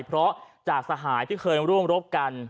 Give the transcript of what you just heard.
เพราะจากสหายที่เคยร่วมรบกัน